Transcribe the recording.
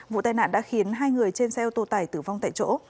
vụ tai nạn đã khiến hai người trên xe ô tô tải tử vong tại chỗ